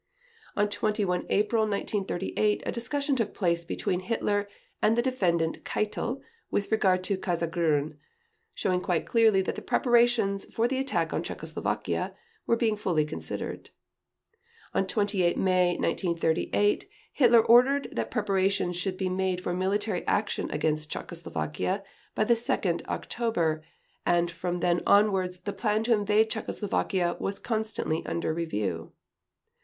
On 21 April 1938 a discussion took place between Hitler and the Defendant Keitel with regard to "Case Grün", showing quite clearly that the preparations for the attack on Czechoslovakia were being fully considered. On 28 May 1938 Hitler ordered that preparations should be made for military action against Czechoslovakia by the 2nd October, and from then onwards the plan to invade Czechoslovakia was constantly under review.